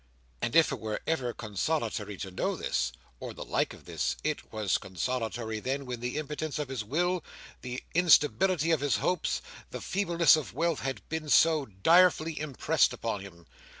And if it were ever consolatory to know this, or the like of this, it was consolatory then, when the impotence of his will, the instability of his hopes, the feebleness of wealth, had been so direfully impressed upon him.